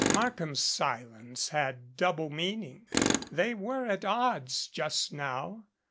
Markham's silence had a double meaning. They were at odds just now.